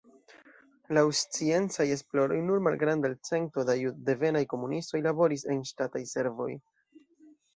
Laŭ sciencaj esploroj nur malgranda elcento da juddevenaj komunistoj laboris en ŝtataj servoj.